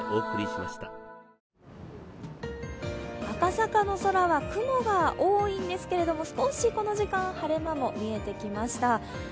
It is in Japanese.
赤坂の空は雲が多いんですけれども少しこの時間、晴れ間も見えてきました。